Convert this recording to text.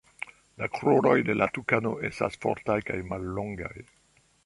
La kruroj de la tukano estas fortaj kaj mallongaj.